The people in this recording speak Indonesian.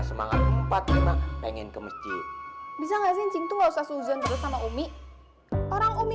semangat empat puluh lima pengen ke masjid bisa nggak gitu nggak usah susan sama umi orang umi